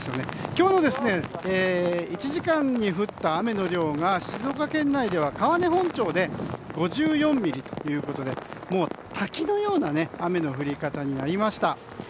今日の１時間に降った雨の量が静岡県内で川根本町で５４ミリということで滝のような雨の降り方になりました。